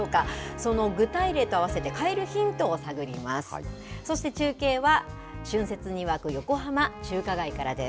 その具体例と合わせて変えるヒントを探ります。